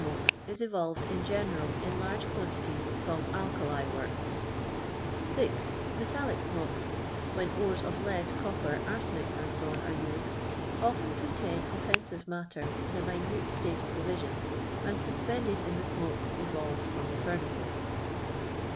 A'jh is evolved in general in litrge quantities from alkali works. G. M'.tallicASmol ^^— when ores of lead, copper, ars:^nic, \c., are used — ofum contxun ofTeniive matter in a minute btau.* of division, and sai p jaded i:i tiie sinokf evolved from the furnaces.